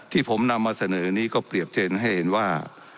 ที่ผมนำมาเสนอนี้ก็เปรียบเทนต์ให้เห็นว่า